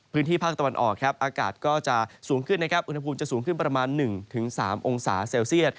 พื้นที่ภาคตะวันออกครับอากาศก็จะสูงขึ้นนะครับอุณหภูมิจะสูงขึ้นประมาณ๑๓องศาเซลเซียต